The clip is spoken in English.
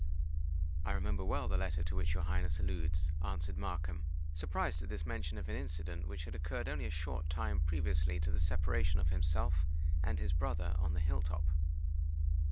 "I remember well the letter to which your Highness alludes," answered Markham, surprised at this mention of an incident which had occurred only a short time previously to the separation of himself and his brother on the hill top.